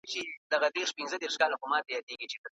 بهرنیو هیوادونو ته سفر کول طبیعي حق دی.